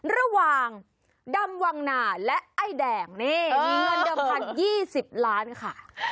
ระหว่างดำวังนาและไอ้แดงนี่มีเงินเดิมพัน๒๐ล้านค่ะ